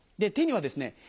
手にはですね